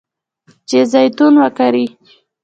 چې زیتون وکري.